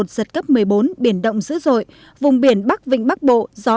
giật cấp một mươi bốn biển động dữ dội vùng biển bắc vịnh bắc bộ